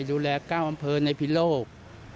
ดุแล๙อนภญ์ในพิโลก